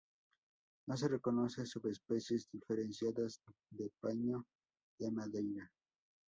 No se reconoce subespecies diferenciadas de paíño de Madeira.